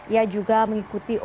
ia juga mengikuti operasi